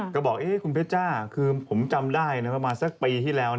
ก็บอกคุณเพชจ้าคือผมจำได้ประมาณสักปีที่แล้ว